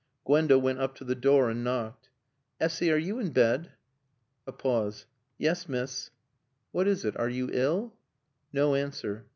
Gwenda went up to the door and knocked. "Essy, are you in bed?" A pause. "Yes, miss." "What is it? Are you ill?" No answer.